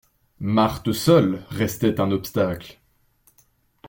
Marthe seule restait un obstacle.